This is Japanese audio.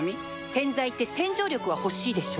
洗剤って洗浄力は欲しいでしょ